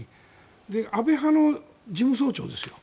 安倍派の事務総長ですよ。